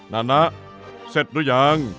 นานะเสร็จหรือยัง